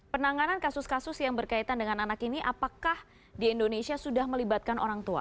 penanganan kasus kasus yang berkaitan dengan anak ini apakah di indonesia sudah melibatkan orang tua